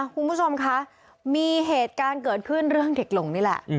คุณผู้ชมคะมีเหตุการณ์เกิดขึ้นเรื่องเด็กหลงนี่แหละ